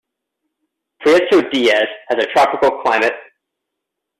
Prieto Diaz has a tropical climate.